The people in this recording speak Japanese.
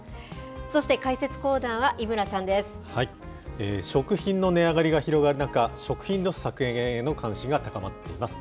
そして解説コーナーは井村さんで食品の値上がりが広がる中、食品ロス削減への関心が高まっています。